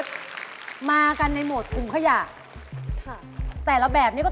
ผมถุงขยะเหมือนกัน